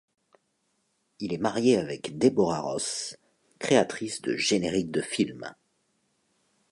Il est marié avec Deborah Ross, créatrice de génériques de films.